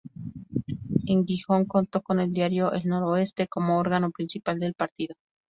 En Gijón contó con el diario "El Noroeste" como órgano principal del partido.